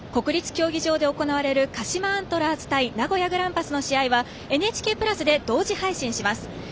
国立競技場で行われる鹿島アントラーズ対名古屋グランパスの試合はＮＨＫプラスで同時配信します。